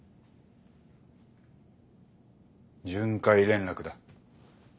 巡回連絡だ。